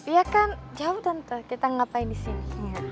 ya kan jawab tante kita ngapain disini